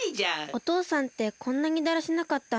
おとうさんってこんなにだらしなかったんだ。